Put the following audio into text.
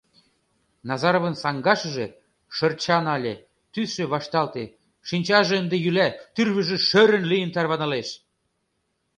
Назаровын саҥгашыже шырча нале, тӱсшӧ вашталте, шинчаже ынде йӱла, тӱрвыжӧ шӧрын лийын тарванылеш.